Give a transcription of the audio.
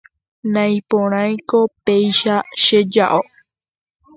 naiporãiko péicha cheja'o